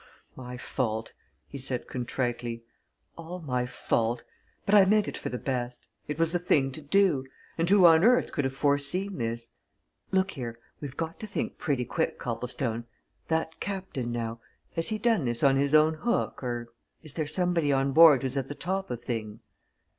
"My fault!" he said contritely. "All my fault! But I meant it for the best it was the thing to do and who on earth could have foreseen this. Look here! we've got to think pretty quick, Copplestone, that captain, now? Has he done this on his own hook, or is there somebody on board who's at the top of things?"